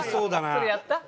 それやった？